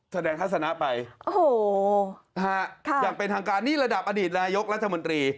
ทัศนะไปโอ้โหอย่างเป็นทางการนี่ระดับอดีตนายกรัฐมนตรี